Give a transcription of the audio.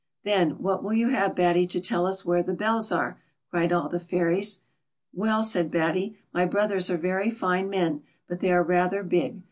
"Then, what will you have, Batty, to tell us where the bells are V cried all the fairies. " Well," said Batty, " my brothers are very fine men, but they are rather big.